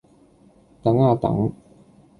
等呀等！